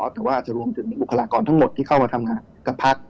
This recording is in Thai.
แต่ว่าจะรวมถึงบุคลากรทั้งหมดที่เข้ามาทำงานกับพัก